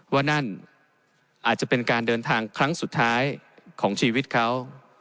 ว่านั่นอาจจะเป็นการเดินทางครั้งสุดท้ายของชีวิตเขา